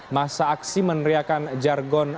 masa aksi meneriakan jargon